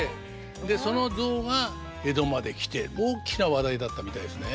その象が江戸まで来て大きな話題だったみたいですね。